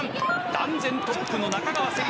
断然トップの中川せり